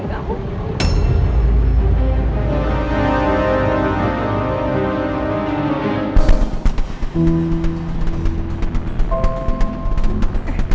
mama gak bisa terus terusan bantuin kamu